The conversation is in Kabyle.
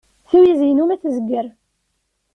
Tiwizi-inu ma tezger.